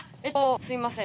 すみません